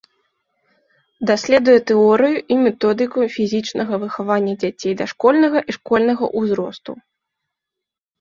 Даследуе тэорыю і методыку фізічнага выхавання дзяцей дашкольнага і школьнага ўзросту.